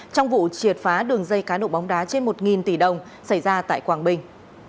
trong vụ triệt phá đường dây cá độ bóng đá trên một tỷ đồng xảy ra tại quảng bình